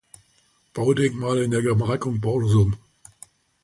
Baudenkmale in der Gemarkung Borssum.